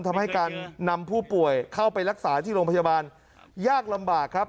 ทำให้การนำผู้ป่วยเข้าไปรักษาที่โรงพยาบาลยากลำบากครับ